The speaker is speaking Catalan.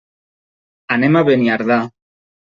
Anem a Beniardà.